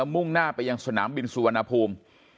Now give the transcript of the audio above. มุ่งหน้าไปยังสนามบินสุวรรณภูมิ